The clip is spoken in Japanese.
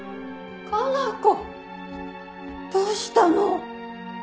佳菜子どうしたの？